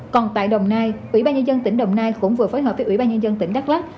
còn tại đồng nai ủy ban nhân dân tỉnh đồng nai cũng vừa phối hợp với ủy ban nhân dân tỉnh đắk lắc